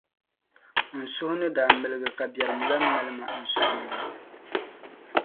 N suhu ni daa miligi ka biɛrim lan mali ma n suhu ni la.